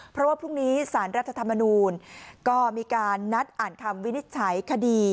เพราะว่าพรุ่งนี้สารรัฐธรรมนูลก็มีการนัดอ่านคำวินิจฉัยคดี